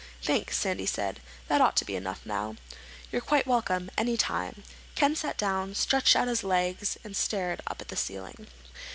"Thanks," Sandy said. "That ought to be enough now." "You're quite welcome. Any time." Ken sat down, stretched out his legs, and stared up at the ceiling.